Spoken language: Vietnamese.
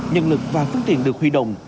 nhân lực và phương tiện được huy động